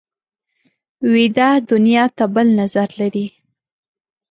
ویده دنیا ته بل نظر لري